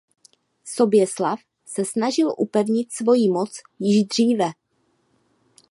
Soběslav se snažil upevnit svoji moc již dříve.